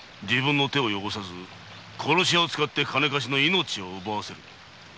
自分の手を汚さず殺し屋を使って金貸しの命を奪わせる。